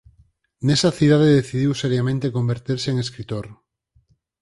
Nesa cidade decidiu seriamente converterse en escritor.